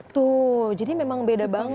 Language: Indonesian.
tuh jadi memang beda banget